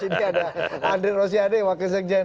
ini ada andri rosiade wakil zeng jen